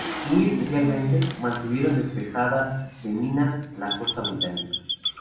Muy especialmente, mantuvieron despejada de minas la costa británica.